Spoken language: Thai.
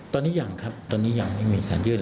ตอนนี้ยังครับตอนนี้ยังไม่มีการยื่น